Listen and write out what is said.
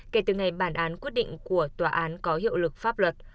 kể từ ngày bản án quyết định của tòa án có hiệu lực pháp luật